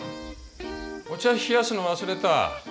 お茶冷やすの忘れた。